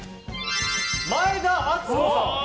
前田敦子さん。